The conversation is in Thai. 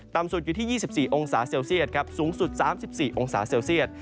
ต่ำสุดอยู่ที่๒๔องศาเซลเซียตสูงสุด๓๔องศาเซียต